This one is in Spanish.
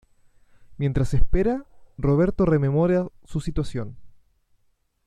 Mientras espera, Roberto rememora su situación.